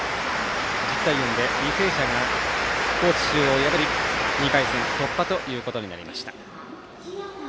１０対４で履正社が高知中央を破り２回戦突破ということになりました。